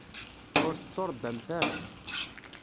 Ur tettuṛebbamt ara.